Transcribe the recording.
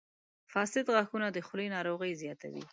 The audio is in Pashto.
• فاسد غاښونه د خولې ناروغۍ زیاتوي.